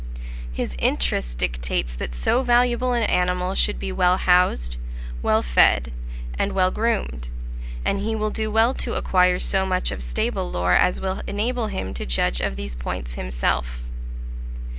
His interest dictates that so valuable an animal should be well housed, well fed, and well groomed; and he will do well to acquire so much of stable lore as will enable him to judge of these points himself.